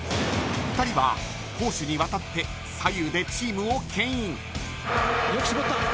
２人は攻守にわたって左右でチームをけん引。